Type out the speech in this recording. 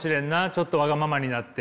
ちょっとわがままになって。